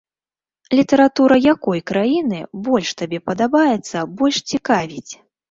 Літаратура якой краіны больш табе падабаецца, больш цікавіць?